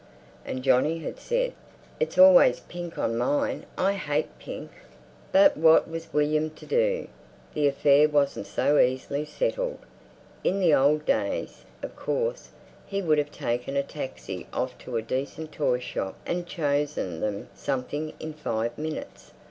And Johnny had said, "It's always pink on mine. I hate pink." But what was William to do? The affair wasn't so easily settled. In the old days, of course, he would have taken a taxi off to a decent toyshop and chosen them something in five minutes.